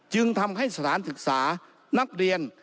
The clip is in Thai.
จึงทำให้สถานศึกษานักเรียน